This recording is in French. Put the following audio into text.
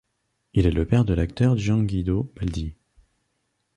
Il est le père de l'acteur Gianguido Baldi.